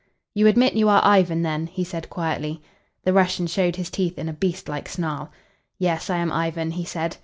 "You admit you are Ivan, then?" he said quietly. The Russian showed his teeth in a beast like snarl. "Yes, I am Ivan," he said.